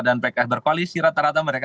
pks berkoalisi rata rata mereka